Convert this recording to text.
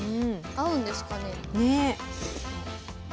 合うんですかね？